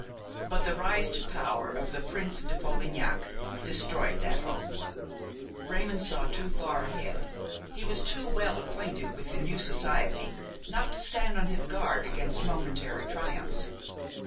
But the rise to power of the Prince de Polignac destroyed that hope. Raymon saw too far ahead, he was too well acquainted with the new society not to stand on his guard against momentary triumphs.